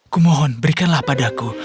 kumohon berikanlah padaku